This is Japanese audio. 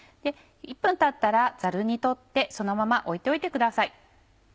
１分たったらザルにとってそのまま置いておいてください。